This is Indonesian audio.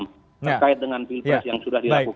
terkait dengan pilpres yang sudah dilakukan